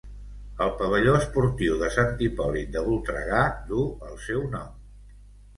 El pavelló esportiu de Sant Hipòlit de Voltregà duu el seu nom.